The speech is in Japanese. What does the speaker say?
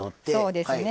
そうですね。